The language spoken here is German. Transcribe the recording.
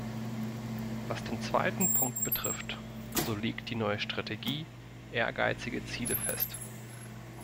Was den zweiten Punkt betrifft, so legt die neue Strategie ehrgeizige Ziele fest.